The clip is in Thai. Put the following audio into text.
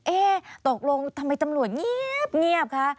เอ๊ะตกลงทำไมจำหลวงเงี๊บค่ะ